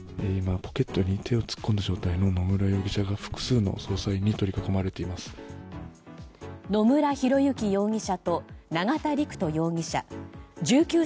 ポケットに手を突っ込んだ状態の野村容疑者が複数の捜査員に取り囲まれています。